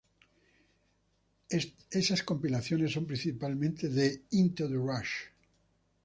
Esas compilaciones son principalmente de "Into The Rush".